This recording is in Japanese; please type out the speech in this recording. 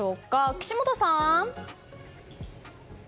岸本さん。